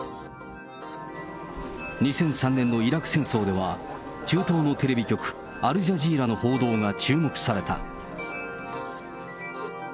２００３年のイラク戦争では、中東のテレビ局、アルジャジーラの報道が注目された。